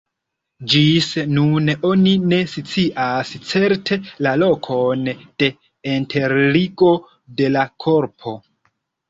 Ĝis nun oni ne scias certe la lokon de enterigo de la korpo.